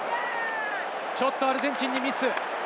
ちょっとアルゼンチンにミス。